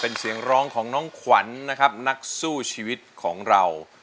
เป็นเรื่องร้องของน้องขวัญนักสู้ชีวิตของเรา